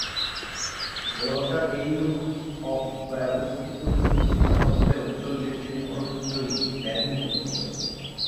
ভালোবাসার এইরূপ অব্যবস্থিত শুশ্রূষা সত্ত্বেও চল্লিশ দিনে হরসুন্দরী ব্যাধিমুক্ত হইল।